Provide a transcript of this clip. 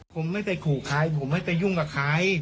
ผมไม่ไปขู่ใครผมไม่ไปยุ่งกับใคร